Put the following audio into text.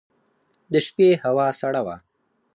د شپې هوا سړه وه.